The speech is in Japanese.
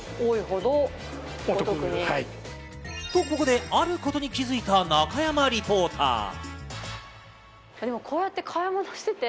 ここで、あることに気づいた中山リポーター。